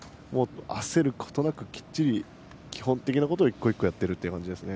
焦ることなくきっちり基本的なことを１個１個やっているという感じですね。